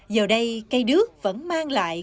giờ đây cây đứt vẫn mang lại